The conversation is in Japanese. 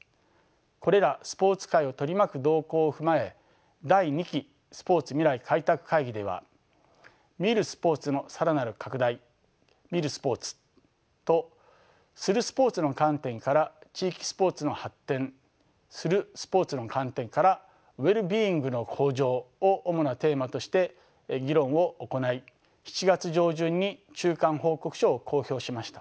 これらスポーツ界を取り巻く動向を踏まえ第二期スポーツ未来開拓会議では「みるスポーツの更なる拡大」「みる」スポーツと「する」スポーツの観点から「地域スポーツの発展」「する」スポーツの観点から「Ｗｅｌｌ−Ｂｅｉｎｇの向上」を主なテーマとして議論を行い７月上旬に中間報告書を公表しました。